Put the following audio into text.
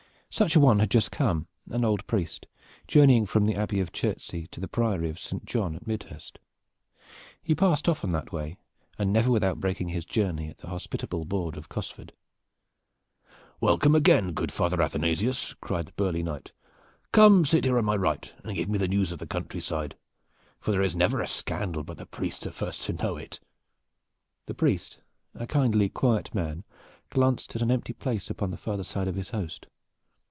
Such a one had just come, an old priest, journeying from the Abbey of Chertsey to the Priory of Saint John at Midhurst. He passed often that way, and never without breaking his journey at the hospitable board of Cosford. "Welcome again, good Father Athanasius!" cried the burly Knight. "Come sit here on my right and give me the news of the country side, for there is never a scandal but the priests are the first to know it." The priest, a kindly, quiet man, glanced at an empty place upon the farther side of his host.